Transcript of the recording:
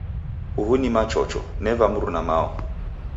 Uhu ni Machocho. Neva mruna-mao.